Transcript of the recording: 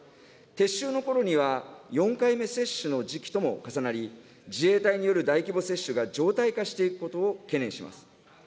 撤収のころには、４回目接種の時期とも重なり、自衛隊による大規模接種が常態化していくことを懸念します。